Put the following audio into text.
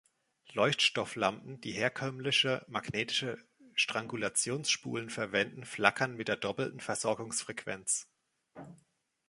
Leuchtstofflampen, die herkömmliche magnetische Strangulationsspulen verwenden, flackern mit der doppelten Versorgungsfrequenz.